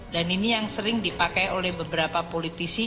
dan ini yang sering dipakai oleh beberapa politisi